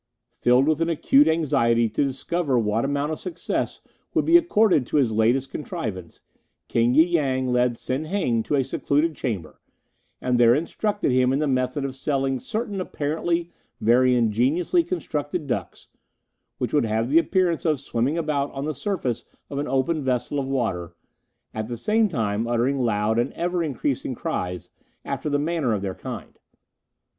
Filled with an acute anxiety to discover what amount of success would be accorded to his latest contrivance, King y Yang led Sen Heng to a secluded chamber, and there instructed him in the method of selling certain apparently very ingeniously constructed ducks, which would have the appearance of swimming about on the surface of an open vessel of water, at the same time uttering loud and ever increasing cries, after the manner of their kind.